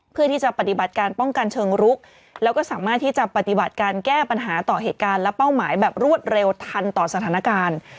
เพื่อที่จะปฏิบัติการป้องกันเชิงรุกแล้วก็สามารถที่จะปฏิบัติการแก้ปัญหาต่อเหตุการณ์และเป้าหมายแบบรวดเร็วทันต่อสถานการณ์